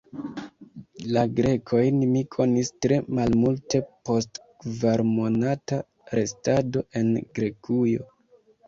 La Grekojn mi konis tre malmulte post kvarmonata restado en Grekujo.